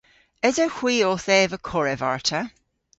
Esewgh hwi owth eva korev arta?